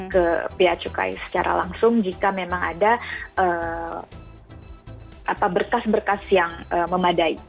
ke bea cukai secara langsung jika memang ada berkas berkas yang memadai